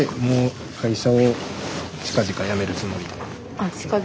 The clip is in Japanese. あっ近々。